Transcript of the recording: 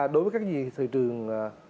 đối với cái gì thì thị trường